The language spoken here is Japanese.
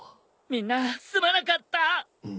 みんなすまなかった。